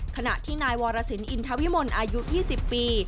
ขณะที่นายวรสินอินทวิมลอายุ๒๐ปี